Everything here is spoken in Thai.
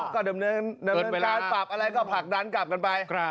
ก็ดำเนินการปรับอะไรก็ผลักดันกลับกันไป